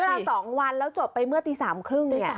เวลา๒วันแล้วจบไปเมื่อตี๓๓๐เนี่ย